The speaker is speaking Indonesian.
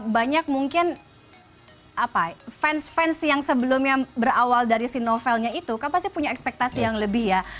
banyak mungkin fans fans yang sebelumnya berawal dari si novelnya itu kan pasti punya ekspektasi yang lebih ya